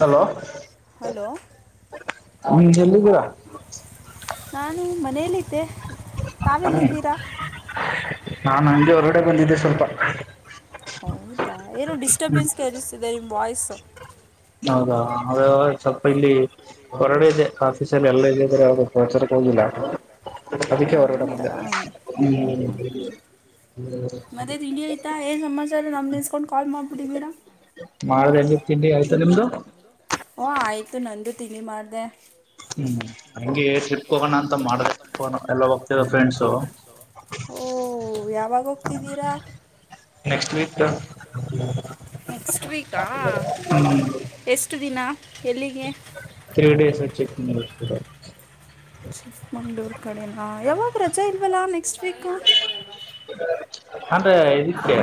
Hello hello ಮುಂಜಲ್ಲಿ ಕೂರ [inaudible] ನಾನು ಮನೆಯಲ್ಲಿದ್ದೆ. ತಾವೆಲ್ಲಿದ್ದೀರಾ? ನಾನ್ ನಂಗೆ ಹೊರಗಡೆ ಬಂದಿದ್ದೆ ಸ್ವಲ್ಪ. ಹೌದಾ. ಏನು ಡಿಸ್ಟರ್ಬೆನ್ಸ್ಗೆ ಕೆರಿಸ್ತಿದೆ ನಿಮ್ಮ ವಾಯ್ಸ್. ಹೌದಾ. ಅವೇ ಸ್ವಲ್ಪ ಇಲ್ಲಿ. ಹೊರಡೆ ಇದೆ. ಆಫೀಸ್ ಎಲ್ಲ ಇದಲ್ಲ್ರ ಅವ ಪ್ರಚಾರಕ್ಕೆ ಹೋಗಿಲ್ಲ. ಅದಕ್ಕೆ ಹೊರಗಡೆ ಹೌದಾ ಬಂದೆ. ಹ್ಞೂ ಮ್ ಹ್ಞೂ ಹ್ಞೂ ಾ ಸಮಸ [unintelligible] ಚರಿ ನಮ್ದಸ್ಕೊಂಡು ಕಾಲ್ ಮಾಡ್ಬಿತಿದಿರಾ [inaudible] ಮಾಡ್ದ ಹೆಂಗಿ ತಿಂಡಿ ಆಯ್ತಾ ನಿಮ್ದು ಓ ಆಯ್ತು ನಂದು ತಿಂಡಿ ಮಾಡಿದೆ. ಹ್ಮ್ ಹಂಗೆ ಟ್ರಿಪ್ಗೆ ಹೋಗೋಣ ಅಂತ ಮಾಡದೇ. ಎಲ್ಲ ಹೋಗ್ತ ಫ್ರೆಂಡ್ಸು? ಓ.... ಯಾವಾಗ ಹೋಗ್ತಿದ್ದೀರಾ? ನೆಕ್ಸ್ಟ್ ವೀಕ್ತ್ ನೆಸ್ಟ್ ವೀಕಾ.. ಹ್ಮ್ ಎಷ್ಟ ಎಷ್ಟು ದಿನ? ಎಲ್ಲಿಗೆ? ತ್ರೀ ಡೇಸ್ ಟ್ರಿಪ್ [unintelligible] ಚಿಕ್ಕಮಂಗ್ಳೂರ್ ಕಡೆ. ಹಾ ಯಾವಾಗ ರಜೆ ಇಲ್ವಲ್ಲಾ ನೆಕ್ಸ್ಟ್ ವೀಕು ಅಂದ್ರೆ ಇದಕ್ಕೆ.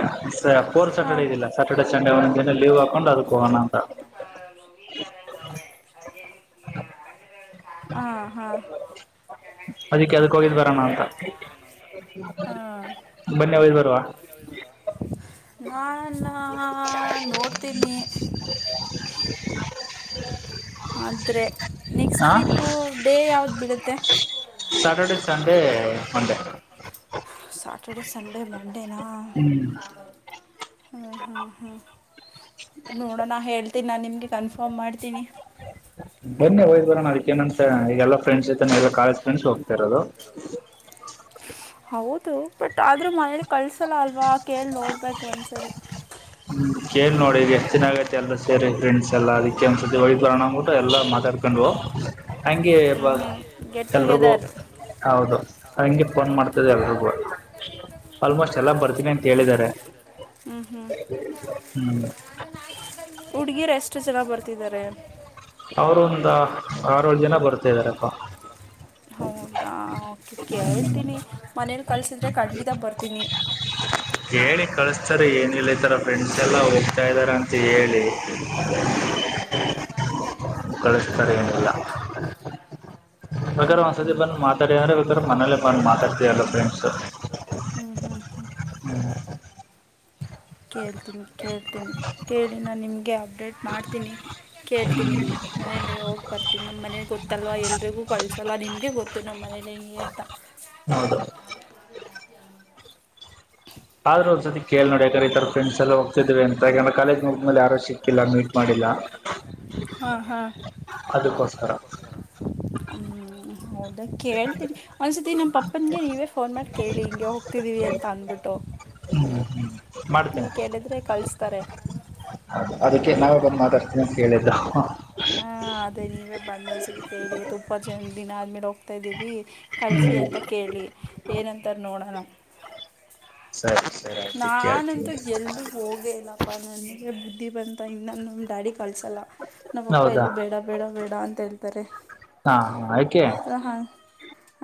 ಫೋರ್ ಸಾಟರ್ಡೆ ಹಾಂ ಇದಿಲ್ಲ ಸ್ಯಾಟರ್ಡೆ ಸಂಡೇ ಒಂದಿನ ಲೀವ್ ಹಾಕೊಂಡು ಅದಕ್ಕೆ ಹೋಗೋಣ ಅಂತ. [inaudible] ಹಾ ಹಾ ಅದಕ್ಕೆ ಅದಕ್ ಹೋಗಿದ್ ಬರೋಣ ಅಂತ ಹಾಂ ಬನ್ನಿ ಹೋಗಿದ್ ಬರುವ. ನಾನ... ನೋಡ್ತೀನಿ? ಆದ್ರೆ. ನೆಕ್ಸ್ಟ್ ಹಾ ವೀಕು ಡೇ ಯಾವ್ದು ಬೀಳುತ್ತೆ? Saturday, Sunday, Monday, Saturday, Sunday, ಮಂಡೆನಾ? ಹ್ಮ್ ಹಾಂಹಾ ಹಾ ನೋಡೋಣ ಹೇಳ್ತೀನಿ ನಾನು ನಿಮಗೆ ಕನ್ಫರ್ಮ್ ಮಾಡ್ತೀನಿ. ಬನ್ನಿ ಹೋಗಿದ್ದೆ ಬರೋಣ ಅದಕ್ಕೇನಂತೆ ಈಗಲ್ಲ ಫ್ರೆಂಡ್ಸ್ ಜೊತೆ ನ ಕಾಲೇಜ ಫ್ರೆಂಡಸ್ ಹೋಗ್ತರದು. ಹೌದು. ಬಟ್ ಆದ್ರೂ ಮನೇೆಯಲ್ಲಿ ಕಳ್ಸಲ್ಲ ಅಲ್ವಾ ಕೇಳಿ ನೋಡ್ಬೇಕಕ್ ಒಂದ್ಸರಿ? ಹ್ಮ್ ಕೇಳಿ ನೋಡಿ ಈಗ ಎಷ್ಟ್ ಜನ ಆಗೈತಿ ಎಲ್ಲರು ಸೇರಿ ಫ್ರೆಂಡ್ಸ್ ಎಲ್ಲಾ ಅದಕ್ಕೆ ಒಂದ್ ಸತಿ ಹೋಗಿ ಬರೋಣ ಅಂದ್ಬಿಟ್ಟು ಎಲ್ಲಾ ಮಾತಾಡ್ಕೊಂಡ್ ಹಂಗೆ ಹ್ಞೂ ಹ್ಞೂ ಗೆಟ್ ಟು ಎಲ್ರಿಗೂ ಗೆದರ್. ಹೌದು. ಹಂಗೆ ಫೋನ್ ಮಾಡ್ತಿದೆ ಎಲ್ರಿಗೂ. ಆಲ್ಮೋಸ್ಟ್ ಎಲ್ಲ ಬರ್ತೀನಿ ಅಂತ ಹೇಳಿದಿದ್ದಾರೆ. ಹ್ಮ್ ಹ್ಮ್ ಹ್ಮ್ ಹುಡುಗೀರ ಎಷ್ಟ ಜನ ಬರ್ತಿದ್ದಾರೆ. [unintelligible] ಅವರು ಒಂದ ಆರ ಏಳು ಜನ ಬರ್ತಾ ಇದರಪ್ಪ. [unintelligible] ಹೌದಾ ಓಕೆ ಹ್ಮ್ ಕೇಳ್ತೀನಿ ಮನೇಲಿ ಕಳಸಿದ್ರೆ ಖಂಡಿತ ಬರ್ತೀನಿ. [unintelligible] ಕೇಳಿ ಕಳಿಸ್ತಾರೆ ಏನಿಲ್ಲ ಈತರ ಫ್ರೆಂಡ್ಸ ಎಲ್ಲ ಹೋಗ್ತಾ ಇದಾರೆ ಅಂತ ಹೇಳಿ. ಹ್ಞೂ [unintelligible] ಕಳಿಸ್ತಾರೆ ಏನಿಲ್ಲ ಪ್ರಕಾರ ಹ್ಮ್ ಒಂದ್ ಹ್ಮ್ ಸತಿ ಬೇಕಾದ್ರೆ ಬಂದು ಮಾತ್ [unintelligible] ಸರ್ ಯಾರು ಬೇಕ್ರ ಮನೇಲೀ ಬಂದು ಮಾತಡ್ತಯಲ್ಲ ಫ್ರೆಂಡ್ಸ್. [unintelligible] ಹು ಹು ಹು. [unintelligible] ಕೇಳ್ತೀನಿ ಕೇಳ್ತೀನಿ ಕೇಳಿ ನಾನು ನಿಮಗೆ ಅಪ್ಡೇಟ್ ಮಾಡ್ತೀನಿ ಕೇಳ್ತೀನಿ. [inaudible] [unintelligible] ಮನೇಲಿ ಹೋಗಿ ಬರ್ತೀನಿ ನಮ್ಮ ಮನೇಲಿ ಗೊತ್ತಲ್ವ ಎಲ್ರಿಗೂ ಕಳ್ಸೋಲ್ಲ ನಿಮಗೆ ಗೊತ್ತು ನಮ್ಮ ಮನೇಲಿ ಹೆಂಗೆ ಅಂತ. [inaudible] [unintelligible] ಹೌದು ಆದ್ರೂ ಒಂದ್ ಸತಿ ಕೇಳಿ ನೋಡಿ ನಮ್ಮ ಫ್ರೆಂಡ್ಸ್ ಎಲ್ಲ ಹೋಗ್ತಿದ್ದಾರೆ ಅಂತ ಮತ್ತ ಕಾಲೇಜ್ ಮುಗಿದಮೇಲೆ ಯಾರು ಸಿಕ್ಕಿಲ್ಲ ಮೀಟ್ ಮಾಡಿ. [inaudible] [unintelligible] ಹಾ ಹಾ. [inaudible] ಅದಕ್ಕೋಸ್ಕರ. [inaudible] [inaudible] ಹೌದಾ ಕೇಳ್ತೀನಿ ಒಂದ್ಸರ್ತಿ ನಮ್ಮ ಪಪ್ಪನಿಗೆ ನೀವೇ ಫೋನ್ ಮಾಡಿ ಕೇಳಿ ಹಿಂಗೆ ಹೋಗ್ತಿದ್ದೀವಿ ಅಂತ. [unintelligible] ಬಿಟ್ಟು ಮಾಡ್ತೀನಿ ನೀವು ಕೇಳಿದ್ರೆ ಕಳಿಸ್ತಾರೆ. [unintelligible] ಅದಕ್ಕೆ ನಾವೇ ಬಂದು ಮಾತಾಡಸತ್ತಿನಿ ಅಂತ ಹೇಳಿದ್ದು. [unintelligible] ಹಾ ಅದೇ ನೀವೇ ಬಂದಂದಸಗೇಳಿ ತುಪ್ಪ ಜನ್ಮ ದಿನ ಆದ್ಮೇಲೆ ಹೋಗ್ತಾ ಇದೀವಿ. [unintelligible] ಕಳಿಸಿ ಹ್ಮ್ ಅಂತ ಕೇಳಿ ಏನಂತಾರೆ ನೋಡೋಣ. [unintelligible] ಸರಿ ಸರಿ ಆಯ್ತು ಕೇಳ್ತೀನಿ ನಾನಂತೂ ಗೆಲ್ಲು [unintelligible] ಹೋಗೇ ಇಲ್ಲಪ್ಪ ನನಗೆ ಬುದ್ಧಿ ಬಂತ ಇನ್ನ ನಮ್ಮ ಡ್ಯಾಡಿ ಕಳಸಲ್ಲ ನಮ್ಮಪ್ಪ ಹೌದಾ ಎಲ್ಲೂ ಬೇಡ [unintelligible] ಬೇಡ ಬೇಡ ಅಂತ ಹೇಳ್ತಾರೆ. [unintelligible] ನಾ ಆಯ್ಕೆ. [unintelligible] ಸೋ ಹಾ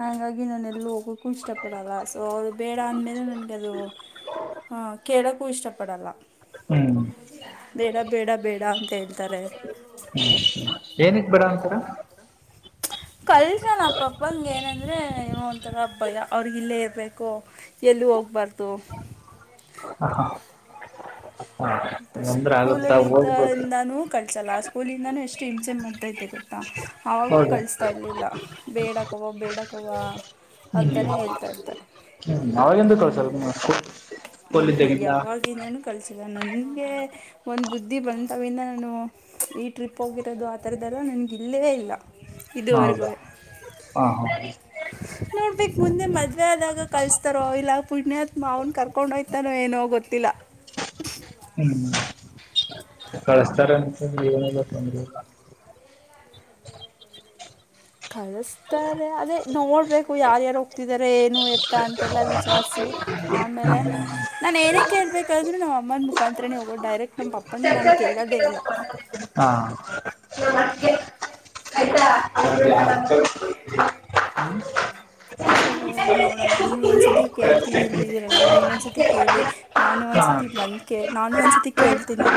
ಹಂಗಾಗಿ ನಾನ್ ಎಲ್ಲೂ ಹೋಗಕ್ಕು ಇಷ್ಟಪಡಲ್ಲ ಸೋ [unintelligible] ಇಲ್ಲಾ ಅಂದ ಮೇಲೆ ನನಗೆ ಅದು ಅ ಕೇಳೋಕ್ಕೂ ಇಷ್ಟಪಡಲ್ಲ. ಹ್ಮ್ [unintelligible] ಬೇಡ ಬೇಡ ಬೇಡ ಅಂತ ಹೇಳ್ತಾರೆ. [inaudible] ಏನಕ್ ಬೇಡಾ ಅಂತರ. [unintelligible] ಕಳಸಲ್ಲ ನಮ್ಮ ಪಪ್ಪನಗೆ ಏನೆಂದ್ರರೆ ಏನೋ ಒಂಥರ ಭಯ ಅವ್ರಿಗೆ ಇಲ್ಲೇ ಇರಬೇಕು. [unintelligible] ಎಲ್ಲಿ ಹೋಗ್ಬಾರ್ದು. [unintelligible] [unintelligible] ಅಂದ್ರೆ ಆಗುತ್ತಾ ಸ್ಕೂಲಲ್ಲಿ ಹೋಗ್ಬೇಕು ಇದ್ದಾಗಿಂದಲೂ. [unintelligible] ಕಳಸಲ್ಲ ಆ ಸ್ಕೂಲಿಂದಾನೂ ಎಷ್ಟು ಹಿಂಸೇ ಮಾಡ್ತಾತೆ ಇದ್ದೇ ಗೊತ್ತಾ ಆವಾಗೂ ಹೌದು ಕಲಿಸ್ತಾ ಇರ್ಲಿಲ್ಲ ಬೇಡ [unintelligible] ಕವಾ ಬೇಡ ಕವಾ. [unintelligible] ಅವಾಗಿಂದ ಕಳಸಲ್ವಾ ಹ್ಞೂ ಸ್ಕೂಲ್ ಹ್ಞೂ ಇದ್ದಾಗಿಂದ. [inaudible] [inaudible] ಯಾವಾಗಿಂದನೂ ಕಳಿಸಿಲ್ಲ ನನ್ನಗೆ [unintelligible] ಒಂದ ಬುದ್ಧಿ ಬಂದಾವಿನ್ ನಾನು ಈ ಟ್ರಿಪ್ ಹೋಗಿರೋದು ಆತರದ್ದ ಎಲ್ಲ ನನ್ಗೆ ಇಲ್ಲೇ ಇಲ್ಲ. [unintelligible] ಹಾ ಹೌದಾ ಹಾ ಹಾ. [inaudible] ನೋಡಬೇಕ್ ಮುಂದೆ ಮದ್ವೆ ಆದಾಗ ಕಲ್ಸ್ತಾರೋ ಇಲ್ಲ ಪುಣ್ಯಾತ್ಮ ಅವನ್ ಕರ್ಕೊಂಡ್ ಹೋಯ್ತಾನ [unintelligible] ಏನೋ ಗೊತ್ತಿಲ್ಲ. [unintelligible] [inaudible] ಹೂ ಕಳಸ್ತಾರೆ ಅಂತ ಜೀವನ ಎಲ್ಲ ತೊಂದ್ರೆ. [inaudible] [unintelligible] ಕಳಸ [unintelligible] ತ್ತಾರೆ ಅದೇ ನೋಡ್ಬೇಕು ಯಾರ ಯಾರ ಹೋಗ್ತಿದಿದ್ದಾರೆ ಏನು ಎತ್ತ ಅಂತೆಲ್ಲ ವಿಚಾರಿಸಿ. [unintelligible] ಆಮೇಲೆ. [unintelligible] ನಾನು ಏನೇ ಕೇಳ್ಬೇಕಾದ್ರೂ ನಮ್ಮ ಅಮ್ಮನ ಮುಖಾಂತರನೇ ಹೋಗೋದು ಡೈರೆಕ್ಟ್ ನಮ್ಮ ಪಪ್ಪನ ನಾನು ಕೇಳೋದೇ ಇಲ್ಲ. [inaudible] [unintelligible] ಹಾ. [inaudible] ಸೊ ಅ ನೋಡಣ ನೀವ್ ಒಂದ್ಸತಿ ಕೇಳ್ತೀನಿ ಅಂದಿದೀರಲ್ಲ ನೀವ್ ಒಂದ್ಸತಿ ಕೇಳಿ ನಾನು ಒಂದ್ಸತಿ ಬಂದ್ ಕೇ ನಾನು ಒಂದ್ ಸತಿ ಕೇಳ್ತೀನಿ.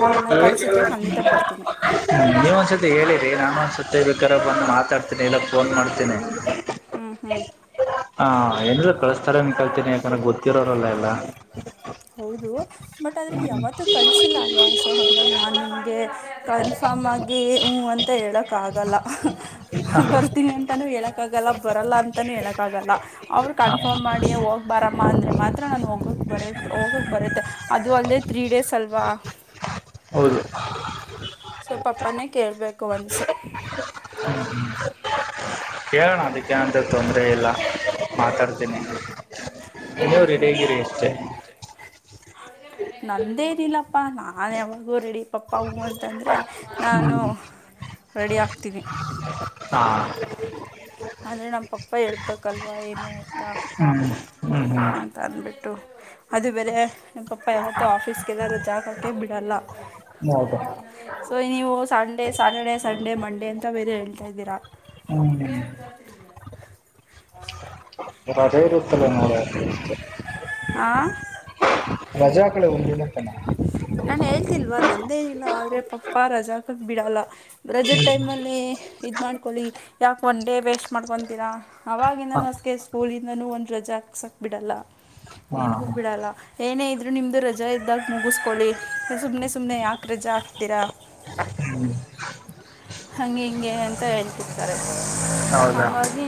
ನೋಡಣ ಕಳ್ಸುದ್ರೆ ಖಂಡಿತ ಬರ್ತೀನಿ. ನೀವ್ ಒಂದ್ಸತಿ ಹೇಳಿರಿ, ನಾನೊಂದ್ ಸತಿ ಬೇಕಾರ ಬಂದ್ ಮಾತಾಡ್ತೀನಿ ಇಲ್ಲ ಫೋನ್ ಮಾಡ್ತೀನಿ. ಹ್ಮ್ ಹ್ಮ್ ಆ ಹೆಂಗು ಕಳ್ಸ್ ತಾರೆ ಅನ್ಕೊಳ್ತೀನಿ ಯಾಕಂದ್ರೆ ಗೊತ್ತಿರೋರಲ್ಲ ಎಲ್ಲ. ಹೌದು. ಬಟ್ ಆದ್ರೆ ಯಾವತ್ತೂ ಕಳ್ಸಿಲ್ಲ ಅಲ್ವ? ಸೊ ಹಂಗಾಗಿ ನಾನ್ ನಿಮ್ಗೆ ಕನ್ಫರ್ಮ್ ಆಗಿ ಊಂ ಅಂತ್ ತ ಹೇಳಕ್ ಆಗಲ್ಲ. ಹ ಬರ್ತೀನಿ ಅಂತಾನೂ ಹೇಳಕ್ ಕ್ಕಾಗಲ್ಲ ಬರಲ್ಲ ಅಂತಾನೂ ಹೇಳಕ್ಕಾಗಲ್ಲ. ಅವ್ರ್ ಹಾ ಕನ್ಫರ್ಮ್ ಮಾಡಿ ಹೋಗ್ಬಾರಮ್ಮ ಅಂದ್ರೆ ಮಾತ್ರ ನಾನು ಹೋಗಕ್ ಬರ ಹೋಗಕ್ ಬರತ್ತೆ ಅದು ಅಲ್ದೆ ತ್ರೀ ಡೇಸ್ ಅಲ್ವಾ? ಹೌದು ಸೋ ಪಪ್ಪನೇ ಕೇಳ್ಬೇಕು ಒನ್ಸು. [inaudible] ಕೇಳಣ ಅದುಕ್ಕೇನಂತೆ ತೊಂದರೆ ಇಲ್ಲ ಮಾತಾಡ್ತೀನಿ ಹ್ಞೂ ನೀವು ರೆಡಿಯಾಗಿರಿ. [unintelligible] ನಂದೇನಿಲ್ಲಪ್ಪಾ ನಾನ್ ಯಾವಗ್ಲೂ ರೆಡಿ ಪಪ್ಪ ಹೂಂ ಅಂತಂದ್ರೆ ನಾನು ಹ್ಮ್ ರೆಡಿ ಆಗ್ತೀನಿ. ಆ ಆದ್ರೆ ನಮ್ ಪಪ್ಪ ಹೇಳ್ಬೇಕಲ್ವಾ ಏನು ಅಂತ ಹ್ಮ್ ಹ್ಮ್ ಹ್ಮ್ ಅಂತ ಅಂದ್ಬಿಟ್ಟು. ಅದು ಬೇರೆ ನಮ್ ಪಪ್ಪ ಯಾವತ್ತೂ ಆಫೀಸ್ಗೆಲ್ಲಾದರೂ ಜಾಗಕ್ಕೆ ಬಿಡಲ್ಲ. [unintelligible] ಸೋ ನೀವು ಸಂಡೆ ಸ್ಯಾಟರ್ಡೆ ಸಂಡೇ ಮಂಡೇ ಅಂತ ಬೇರೆ ಹೇಳ್ತಾ ಇದ್ದೀರಾ. [inaudible] ಹ್ಮ್ ರಜೆ ಇರುತ್ತಲ್ಲ [unintelligible] ಆ ರಜಾ ಹಾಕಳೆ ಒಂದಿನಕನ. ನಾನ್ ಹೇಳ್ತಿಲ್ವಾ ನಂದೇನಿಲ್ಲ ಆದ್ರೆ ಪಪ್ಪಾ ರಜಾ ಹಾಕಕ್ ಬಿಡಲ್ಲ. ರಜುದ್ ಟೈಮಲ್ಲಿ ಇದ್ ಮಾಡ್ಕೊಳ್ಳಿ ಯಾಕ್ ಒನ್ ಡೇ ವೇಸ್ಟ್ ಮಾಡ್ಕೊಂತೀರಾ? ಹಾ ಅವಾಗಿಂದಾನು ಅಸ್ಕೆ ಸ್ಕೂಲಿಂದಾನೂ ಒಂದ್ ರೆಜಾ ಹಾಕ್ಸಕ್ಬಿಡಲ್ಲ. ಹಾ ಏನಗೂ ಬಿಡಲ್ಲ ಏನೇ ಇದ್ರು ನಿಮ್ದು ರಜಾ ಇದ್ದಾಗ್ ಮುಗುಸ್ಕೊಳ್ಳಿ ಸುಮ್ನೆ ಸ್ ಸುಮ್ನೆ ಯಾಕ್ ರೆಜಾ ಹಾಕ್ತೀರಾ? ಹ್ಮ್ ಹಂಗೆ ಹಿಂಗೆ ಅಂತ ಹೇಳ್ತಿರ್ತಾರೆ ಸೋ ಹೌದಾ ಹಂಗಾಗ್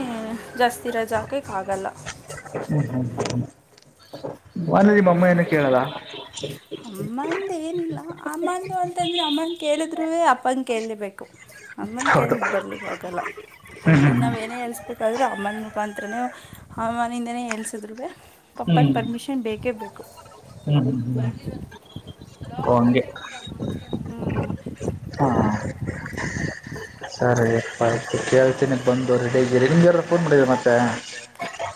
ಜಾಸ್ತಿ ರೆಜಾ ಹಾಕಕ್ ಆಗಲ್ಲ. ಹ್ಮ್ ಹ್ಮ್ ಹ್ಮ್ ಬಾನರಿ ಬಮ್ಮ ಏನುಕ್ಕೇಳಲ್ಲ ಅಮ್ಮಂದೇನಿಲ್ಲ ಅಮ್ಮಂದು ಅಂತಂದ್ರೆ ಅಮ್ಮನ್ ಕೇಳಿದ್ರೂವೆ ಅಪ್ಪನ್ ಕೇಳ್ಳೆಬೇಕು. [unintelligible] ಅಮ್ಮನ್ ಕೇಳಿ ಬರ್ಲಿಕ್ಕಾಗಲ್ಲ ಹ್ಮ್ ಈಗ್ ನಾವ್ ಏನೇ ಹೇಳ್ಸ್ ಬೇ ಕಾದ್ರು ಅಮ್ಮನ್ ಮುಖಾಂತರನೊ ಅಮ್ಮನಿಂದನೇ ಹೇಳ್ಸುದ್ರುವೆ ಪಪ್ಪನ್ ಹ್ಮ್ ಹ್ಮ್ ಪರ್ಮಿಷ ಅನ್ ಬೇಕೇ ಬೇಕು. ಹ್ಮ್ ಹ್ಮ್ ಹ್ಮ್ ಓ ಹಂಗೆ. ಹ್ಞೂ ಹಾ ಹಾ ಸರಿ. ಆಯ್ತು ಕೇಳ್ತೀನಿ ಬಂದು ರೆಡಿ ಇದಗೀರಿ ನಿಮಗ ಯಾರರ ಫೋನ್ ಮಾಡಿದೀರಿ ಮತ್ತೆ.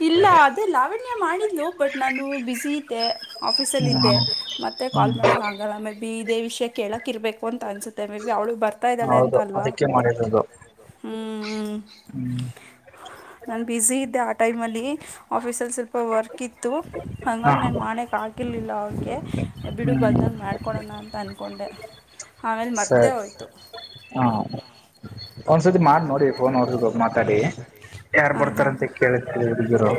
ಇಲ್ಲ ಅದೆ ಲಾವಣ್ಯ ಮಾಡಿದ್ಲು ಬಟ್ ನಾನು ಬಿಜಿ ಇದ್ದೆ. ಆಫೀಸಲ್ಲಿದ್ದೆ ಹ್ಮ್ ಮತ್ತೆ ಕಾಲ್ ಹ್ಮ್ ಮಾಡಕ್ಕ ಆಗಲ್ಲ ಮೇ ಬಿ ಇದೇ ವಿಷಯ ಕೇಳಕ್ ಇರ್ಬೇಕ ಒಂತ ಅನಸುತ್ತೆ ಮೇ ಬಿ ಅವಳು ಬರ್ತಾ ಇದ್ದಾಳೆ ಅಂತ ಹೌದು ಅಲ್ವಾ ಅದಕ್ಕೆ ಮಾಡಿರೋದು ಹ್ಮ್ ಹ್ಮ ಹ್ಮ್ [unintelligible] ನಾನ್ ಬಿಸಿ ಇದ್ದೆ ಆ ಟೈಮಲ್ಲಿ ಆಫೀಸಲ್ಲಿ ಸ್ವಲ್ಪ ವರ್ಕ್ ಇತ್ತು. ಹಾ ಹಂಗಾಗ ನಾನ ಹಾ ಮಾಡಕ್ಕ ಆಗಿರ್ಲಿಲ್ಲ ಅವ್ಳಗೆ. ಏ ಬಿಡು ಹ್ಮ್ ಬಂದಂಗ ಮಾಡ್ಕೊಡೋಣ ಅಂತ ಅಂದ್ಕೊಂಡೆ ಆಮೇಲ ಮರ್ತೆ ಸರಿ ಹೋಯ್ತು. ಹಾ ಒಂದ್ಸತಿ ಮಾಡ ನೋಡಿ ಫೋನ್ ಅವರದು ಮಾತಾಡಿ ಯಾರ್ ಹಾಂ ಬರ್ತಾರ ಹಾಂ ಅಂತ ಹಾಂ ಕೇಳ [unintelligible] ಹುಡುಗಿರು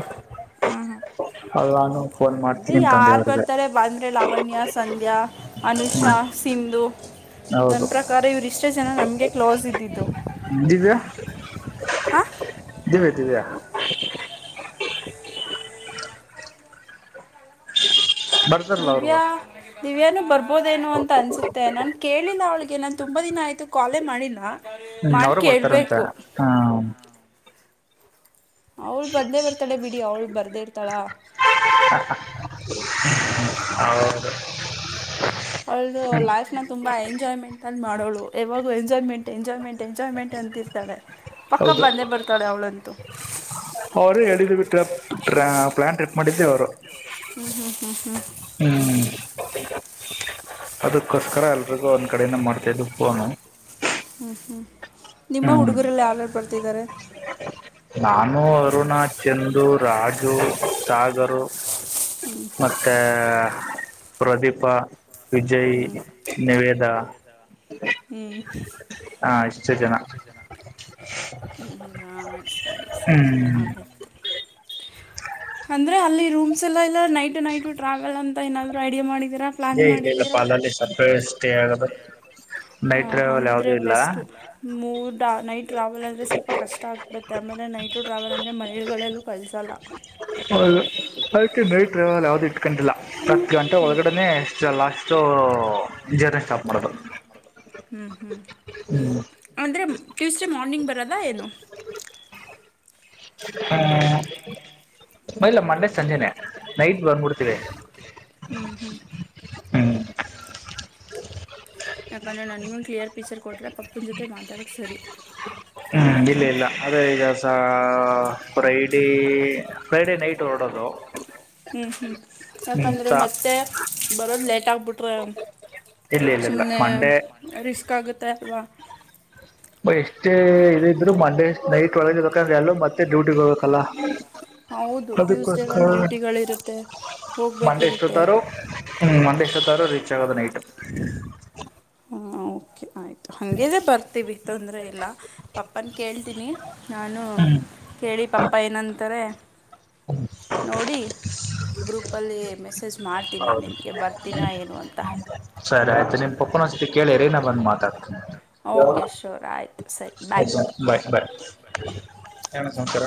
ಹ್ಞೂ ಹ್ಞೂ ಆಮೇಲ್ ಫೋನ್ ಮಾಡ್ತೀನಿ ಅಂತ್ ಅಂದೆ ಅವ್ರಿಗೆ. ಅಂದ್ರೆ ಲಾವಣ್ಯ ಸಂಧ್ಯಾ ಅನುಷಾ ಹ್ಮ್ ಸಿಂಧು ಹೌದು ನಂತ್ರ ಕಾರ ಇವ್ ಇಷ್ಟೇ ಜನ ನಮ್ಗೆ ಕ್ಲೋಸ್ ಇದ್ದಿದ್ದು. ದಿವ್ಯ. ಹ ದಿವ್ಯಾ ದಿವ್ಯಾ. ಬರ್ತಾರಲ್ಲ ಅವರು ದಿವ್ಯಾ ದಿವ್ಯನುೂ ಬರ್ಬೋದೇನು ಅಂತ ಅನ್ಸುತ್ತೆ ನಾನ ಕೇಳಿಲ್ಲ ಅವಳಿಗೆನ ತುಂಬ ದಿನ ಆಯ್ತು ಕಾಲೆ ಮಾಡಿಲ್ಲ ಹ್ಮ್ ಮಾಡ ಅವರು ಬರ್ತಾರಂತ ಕೇಳ್ಬೇಕು. ಹಾ [unintelligible] ಅವ್ಳು ಬಂದೇ ಬರ್ತಾಳೆ ಬಿಡಿ ಅವ್ಳು ಬರ್ದೇ ಇರ್ತಳ. ಹೌದು ಅವಳ್ದ ಲೈಫ್ ನ ತುಂಬಾ ಎಂಜಾಯ್ಮೆಂಟ್ ಅಲ್ಲಿ ಮಾಡೋಳು ಯಾವಾಗೂ ಎಂಜಾಯ್ಮೆಂಟ್. ಎಂಜಾಯ್ಮಂಟ್ ಎಂಜಾಯ್ಮೆಂಟ್ ಅಂತಿರ್ತಳೆ ಹೌದು. ಅವರೀಗ ಹೇಳಿದೀವಿ ಟ್ರಿಪ್ ಪ್ರ್ಯ ಪ್ಲಾನ್ ಟ್ರಿಪ್ ಮಾಡಿದ್ದೆ ಅವ್ರು. ಹ್ಮ್ ಹ್ಮ್ ಹ್ಮ್ ಹ್ಮ್. ಹ್ಮಞ ಅದಕ್ಕೋಸ್ಕರ ಎಲ್ರಿಗೂ ಒಂದ್ ಕಡೆ ಮಾಡ್ತಾ ಇದ್ದು ಫೋನು. ಹ್ಞ ಹ್ಞೂ ನಿಮ್ಮ ಹ್ಮ್ ಹುಡುಗರಲ್ಲಿ ಯಾರ್ ಯಾರ್ ಬರ್ತಿದ್ದಾರೆ. ನಾನು ಅರುಣ ಚಂದು ರಾಜು ಸಾಗರು. ಮತ್ತೆ ಪ್ರದೀಪ ವಿಜಯ್. ನಿವೇದ. ಹ್ಮ್ ಹಾ ಇಷ್ಟು ಹ್ಮಾ ಇಷ್ಟೇ ಜನ ಹೌದಾ [unintelligible] ಸರಿ ಸರಿ ಹ್ಮ್ ಆಯ್ತು ಅಂದ್ರೆ ಅಲ್ಲಿ ರೂಮ್. ಸಲ ಇಲ್ಲ ನೈಟ್ ನೈಟ್ ಟ್ರಾವೆಲ್ ಅಂತ ಏನಾದ್ರೂ ಐಡಿಯಾ ಮಾಡಿದಿರ. ಏ ಇಲ್ಲ ಇಲ್ಲ ಪಾ ಅಲ್ಲಲ್ಲಿ ಸರ್ಪ್ರ ಸ್ಟೇ ಆಗದು ನೈಟ್ ಟ್ರಾವೆಲ್ ಯಾವುದೂ ಇಲ್ಲ. ಮೂ ನೈಟ್ ಟ್ರಾವೆಲ್ ಅಂದ್ರೆ ಸ್ವಲ್ಪ ಕಷ್ಟ ಆಗ್ಬಿಡತ್ತೆ ಆಮೇಲೆ ನೈಟು ಟ್ರಾವೆಲ್ ಅಂದ್ರೆ ಮನೆಲಗಳಲ್ಲಿ ಕಳಸಲ್ಲ. ಹೌದು ಅದಕ್ಕೆ ನೈಟ್ ಟ್ರಾವಲ್ ಯಾವ್ದು ಇಟ್ಕೊಂಡಿಲ್ಲ ಹತ್ತ ಗಂಟೆ ಒಳಗಡೆನೆ ಅಷ್ಟೆ ಲಾಸ್ಟ್. ಸೊ ಜರ್ನಿ ಸ್ಟಾಪ್ ಮಾಡೋದು. ಹ್ಮ್ ಹ್ಮ್ ಹ್ಮ್ ಅಂದ್ರೆ ಟ್ಯೂಸ್ಡೇ ಮಾರ್ನಿಂಗ್ ಬರದಾ ಏನು. ಹ್ಮ್ ಇಲ್ಲ ಮಂಡೆ ಸಂಜೆನೆ ನೈಟ್ ಬಂದ್ಬಿಡ್ತೀವಿ. ಹ್ಮ್ ಹ್ಮ್. ಹ್ಮ್ ಯಾಕೆಂದ್ರೆ ನನಿಗೂ ಕ್ಲಿಯರ್ ಪಿಚರ್ ಕೊಟ್ರೆ ಪಪ್ಪಿನ ಜೊತೆ ಮಾತಡೋಕ್ಕ ಸರಿ. ಹ್ಮ್ ಇಲ್ ಇಲ್ಲ ಆದೇ ಈಗ ಸ ಫ್ರೈಡೇ ಫ್ರೈಡೇ ಹ್ಮ್ ನೈಟ್ ಫ್ರೈಡೆ ಹೊರಡೋದು ನೈಟ್ ಹೊರಡೋದು ಹ್ಮ್. ಹ್ಮ್ ಯಾಕಂದ್ರೆ ಸ ಮತ್ತೆ ಬರೋದ್ ಲೇಟ್ ಆಗ್ಬಿಟ್ಟ [unintelligible] [unintelligible] ಇಲ್ಲ ಸುಮ್ಮನೆ ಮಂಡೇ ರಿಸ್ಕ್ ಆಗುತ್ತೆ ಅಲ್ವಾ ಎಷ್ಟೇ ಇದ ಇದ್ರು ಮಂಡೆ ಹೋಗ್ಬೇಕಲ್ಲ ಹೌದು ಟ್ಯೂಸ್ಡೇ ಅದಕ್ಕೋಸ್ಕರ ಡ್ಯೂಟಿಗಳ ಇರುತ್ತೆ. ಹೋಗ್ಬೇಕಿರುತ್ತೆ ಹ್ಮ ಮಂದೇಶತ್ತಾರ ರೀಚ್ ಆಗೋದ ನೈಟ್ ಹಾ ಓಕೆ ಆಯ್ತು ಹಂಗಿದರೇ ಬರ್ತೀವಿ ತೊಂದರೆ ಇಲ್ಲಾ ಪಪ್ಪನ್ ಕೇಳ್ತೀನಿ ನಾನು. ಕೇಳಿ ಪಪ್ಪಾ ಏನಂತಾರೆ ನೋಡಿ ಗ್ರೂಪಲ್ಲಿ ಮೆಸೇಜ್ ಮಾಡ್ತೀನಿ ನಾನು ನಿಮಗೆ ಬರ್ತೀನಾ ಏನು ಅಂತಾ ಹೌದಾ ಬಂದು ಮಾತಾಡ್ತೀನಿ ಯಾವ ಓಕೆ ಶೂರ್ ಆಯ್ತು ಸರಿ ಬಾಯ್ ಎರಡ ಸಂಸಾರ